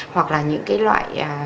hoặc là những cái loại